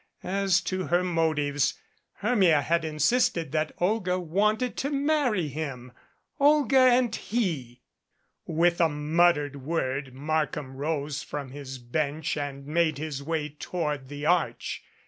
As to her motives Hermia had in sisted that Olga wanted to marry him ! Olga and he ! With a muttered word Markham rose from his bench and made his way toward the Arch.